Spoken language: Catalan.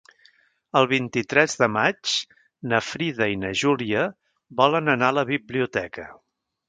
El vint-i-tres de maig na Frida i na Júlia volen anar a la biblioteca.